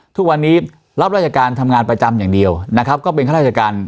ทุกวันนี้รับราชการทำงานประจำอย่างเดียวนะครับก็เป็นข้าราชการ